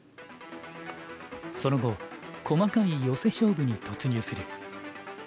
その後細かいヨセ勝負に突入する。